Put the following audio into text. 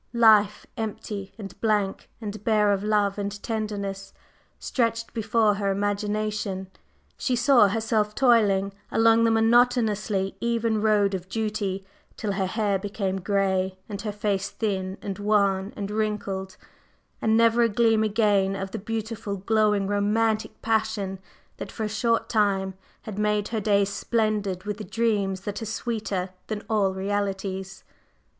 Life empty and blank and bare of love and tenderness, stretched before her imagination; she saw herself toiling along the monotonously even road of duty till her hair became gray and her face thin and wan and wrinkled, and never a gleam again of the beautiful, glowing, romantic passion that for a short time had made her days splendid with the dreams that are sweeter than all realities.